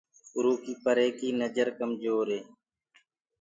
اُرو ڪي پري ڪي نجر ڪمجور هي۔